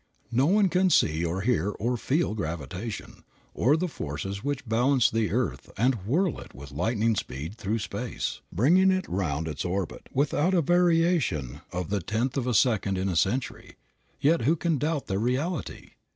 No one can see or hear or feel gravitation, or the forces which balance the earth and whirl it with lightning speed through space, bringing it round its orbit without a variation of the tenth of a second in a century, yet who can doubt their reality?